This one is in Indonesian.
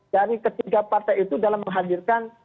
dari ketiga partai itu dalam menghadirkan